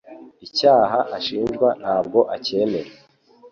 icyaha ashinjwa ntabwo acyemera